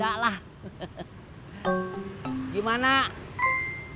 iya pokoknya di sukabumi mah nggak ada lah